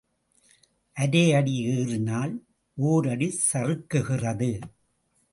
அரை அடி ஏறினால் ஓரடி சறுக்குகிறது.